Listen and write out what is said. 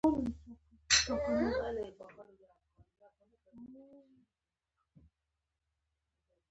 د دې ګزار له امله زما یو غاښ مات شو